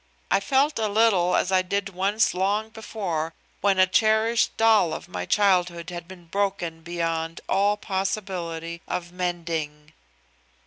I felt a little as I did once long before when a cherished doll of my childhood had been broken beyond all possibility of mending.